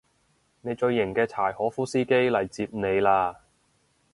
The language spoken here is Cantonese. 你最型嘅柴可夫司機嚟接你喇